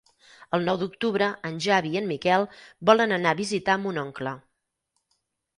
El nou d'octubre en Xavi i en Miquel volen anar a visitar mon oncle.